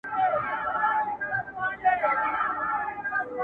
زه به څرنگه دوږخ ته ور روان سم؛